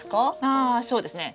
ああそうですね。